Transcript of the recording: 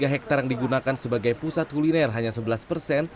tiga hektare yang digunakan sebagai pusat kuliner hanya sebelas persen